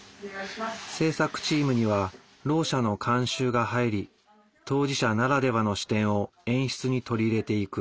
制作チームにはろう者の監修が入り当事者ならではの視点を演出に取り入れていく。